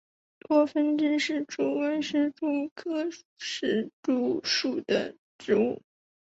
多分枝石竹为石竹科石竹属的植物。